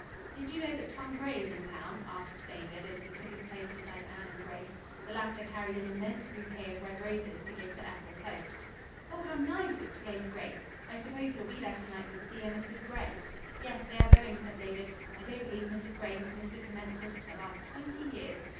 "Did you know that Tom Gray is in town?" asked David, as he took his place beside Anne and Grace. The latter carried an immense bouquet of red roses to give to Ethel Post. "Oh, how nice!" exclaimed Grace. "I suppose he'll be there to night with dear Mrs. Gray." "Yes, they are going," said David. "I don't believe Mrs. Gray has missed a commencement for the last twenty years."